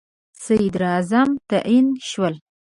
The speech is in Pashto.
صدراعظم تعیین شول.